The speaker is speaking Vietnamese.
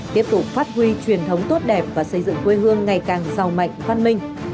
tiếp tục phát huy truyền thống tốt đẹp và xây dựng quê hương ngày càng giàu mạnh văn minh